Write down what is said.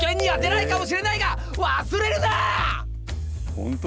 本当？